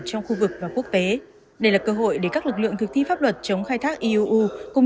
trong khu vực và quốc tế đây là cơ hội để các lực lượng thực thi pháp luật chống khai thác iuu cùng